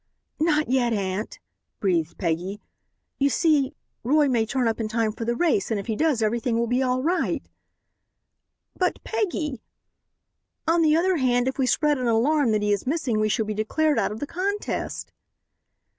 "Not yet, aunt," breathed Peggy; "you see, Roy may turn up in time for the race, and if he does, everything will be all right." "But, Peggy " "On the other hand, if we spread an alarm that he is missing we shall be declared out of the contest."